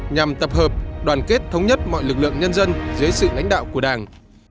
nhằm tập hợp đoàn kết thống nhất mọi lực lượng nhân dân dưới sự lãnh đạo của đảng